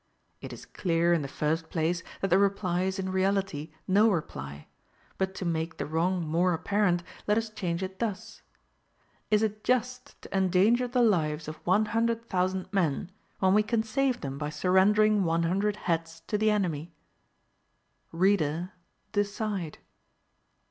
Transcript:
It is clear, in the first place, that the reply is in reality no reply; but, to make the wrong more apparent, let us change it thus: Is it just to endanger the lives of one hundred thousand men, when we can save them by surrendering one hundred heads to the enemy? Reader, decide!